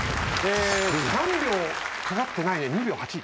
３秒かかってないね２秒８。